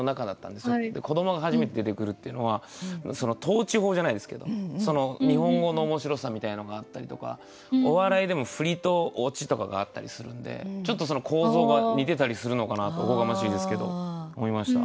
子どもが初めて出てくるっていうのは倒置法じゃないですけど日本語の面白さみたいのがあったりとかお笑いでもフリとオチとかがあったりするんでちょっと構造が似てたりするのかなとおこがましいですけど思いました。